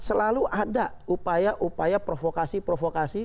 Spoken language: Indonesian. selalu ada upaya upaya provokasi provokasi